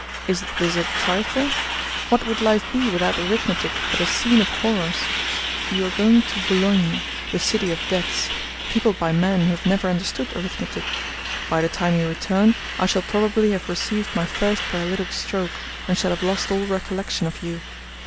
Is this a trifle? What would life be without arithmetic but a scene of horrors? You are going to Boulogne, the city of debts, peopled by men who have never understood arithmetic. By the time you return, I shall probably have received my first paralytic stroke, and shall have lost all recollection of you.